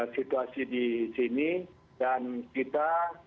situasi di sini dan kita